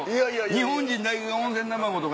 日本人だけが温泉卵とか。